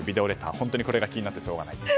本当にこれが気になってしょうがない。